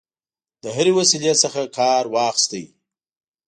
له هري وسیلې څخه کارواخیست.